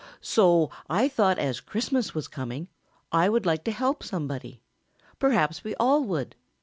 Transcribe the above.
So I thought as Christmas was coming I would like to help somebody. Perhaps we all would!